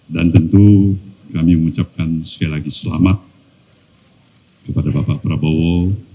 tentu kami mengucapkan sekali lagi selamat kepada bapak prabowo